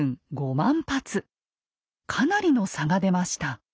かなりの差が出ました。